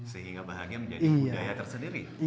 sehingga bahagia menjadi budaya tersendiri